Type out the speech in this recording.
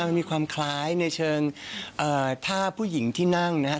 มันมีความคล้ายในเชิงท่าผู้หญิงที่นั่งนะครับ